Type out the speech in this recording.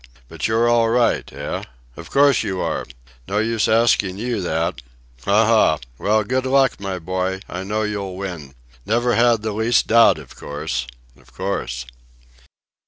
But you're all right, eh? Of course you are. No use asking you that. Ha! ha! Well, good luck, my boy! I know you'll win. Never had the least doubt, of course, of course."